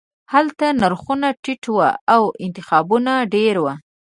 هلته نرخونه ټیټ وو او انتخابونه ډیر وو